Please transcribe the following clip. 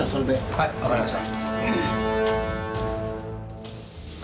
はい分かりました。